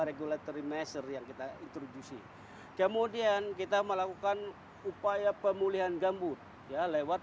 regulatory measure yang kita introdusi kemudian kita melakukan upaya pemulihan gambut ya lewat